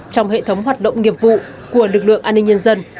trong hệ thống hoạt động nghiệp vụ của lực lượng an ninh nhân dân